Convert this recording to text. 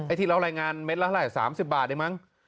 ไอ้ที่เล่ารายงานเม็ดละ๓๐บาทดีมั้ง